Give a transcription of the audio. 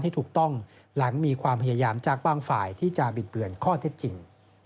ให้ถูกต้องหลังมีความพยายามจากบางฝ่ายที่จะบิดเบือนข้อเท็จจริง